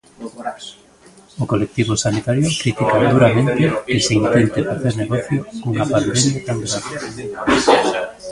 O colectivo sanitario critica duramente que se intente facer negocio cunha pandemia tan grave.